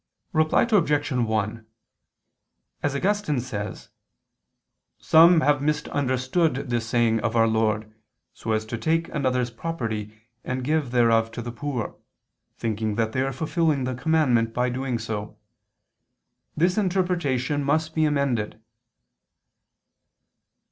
Reply Obj. 1: As Augustine says (De Verb. Dom. 2), "Some have misunderstood this saying of Our Lord, so as to take another's property and give thereof to the poor, thinking that they are fulfilling the commandment by so doing. This interpretation must be amended.